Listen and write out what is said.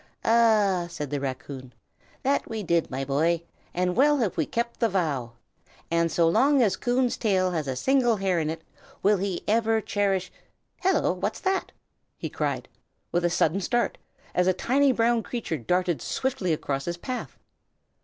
"Ah!" said the raccoon, "that we did, my boy; and well have we kept the vow! And so long as Coon's tail has a single hair in it, will he ever cherish Hello! what's that?" he cried with a sudden start, as a tiny brown creature darted swiftly across the path.